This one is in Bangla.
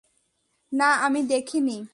না, আমি দেখিনি।